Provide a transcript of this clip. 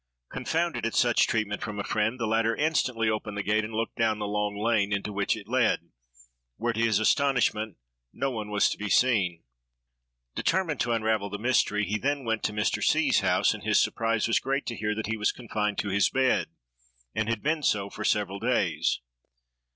Confounded at such treatment from a friend, the latter instantly opened the gate, and looked down the long lane into which it led, where, to his astonishment, no one was to be seen. Determined to unravel the mystery, he then went to Mr. C——'s house, and his surprise was great to hear that he was confined to his bed, and had been so for several days.